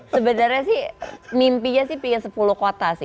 sebenarnya sih mimpinya sih pengen sepuluh kota sih